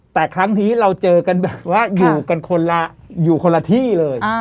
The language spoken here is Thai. แต่ครั้งนี้เราเจอกันแบบว่าอยู่คนละที่เลย